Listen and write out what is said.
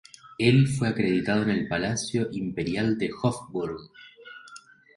El fue acreditado en el Palacio Imperial de Hofburg.